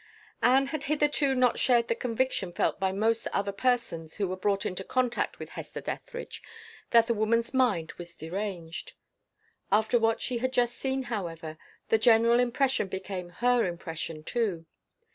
Anne had hitherto not shared the conviction felt by most other persons who were brought into contact with Hester Dethridge, that the woman's mind was deranged. After what she had just seen, however, the general impression became her impression too.